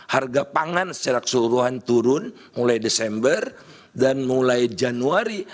harga pangan secara keseluruhan turun mulai desember dan mulai januari